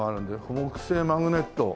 木製マグネット